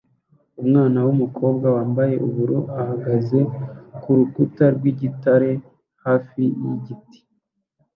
Umwana wumukobwa wambaye ubururu ahagaze kurukuta rwigitare hafi yigiti